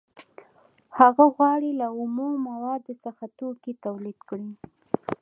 هغه غواړي له اومو موادو څخه توکي تولید کړي